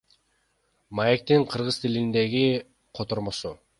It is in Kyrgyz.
Маектин кыргыз тилиндеги котормосу.